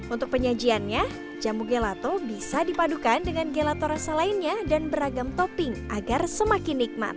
untuk penyajiannya jamu gelato bisa dipadukan dengan gelato rasa lainnya dan beragam topping agar semakin nikmat